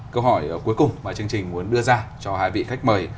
câu hỏi cuối cùng mà chương trình muốn đưa ra cho hai vị khách mời